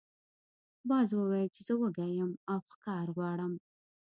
باز وویل چې زه وږی یم او ښکار غواړم.